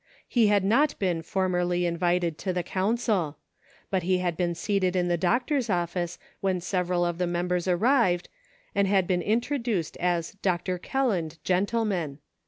He had not been formerly "invited" to the council. But he had been seated in the doctor's office when sev eral of the members arrived, and had been intro duced as "Dr. Kelland, gentlemen."